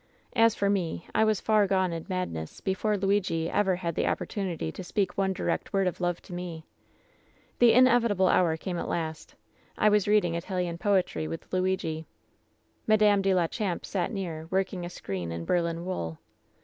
" As for me, I was far gone in madness before Luigi ever had the opportunity to speak one direct word of love to me. "The inevitable hour came at last. I was reading Italian poetry with Luigi. "Madame de la Champe sat near, working a screen in Berlin wool.